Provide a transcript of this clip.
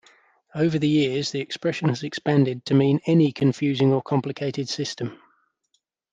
Over the years, the expression has expanded to mean any confusing or complicated system.